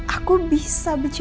aku bisa berjaya